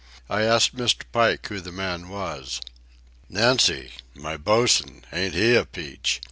I asked Mr. Pike who the man was. "Nancy—my bosun; ain't he a peach?"